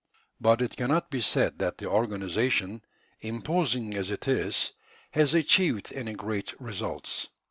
But it cannot be said that the organization, imposing as it is, has achieved any great results.